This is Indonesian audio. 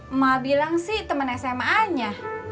emak bilang sih teman sma nya